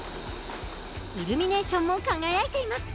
イルミネーションも輝いています。